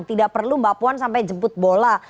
tidak perlu mbak puan sampai jemput bola